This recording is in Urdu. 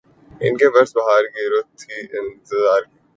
اب کے برس بہار کی‘ رُت بھی تھی اِنتظار کی